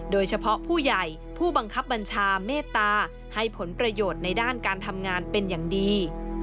โดยเฉพาะผู้ใหญ่ผู้บังคับบัญชาเมตตาให้ผลประโยชน์ในด้านการทำงานเป็นอย่างดี